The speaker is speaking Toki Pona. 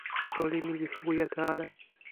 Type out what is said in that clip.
soweli mi li suwi ete ale.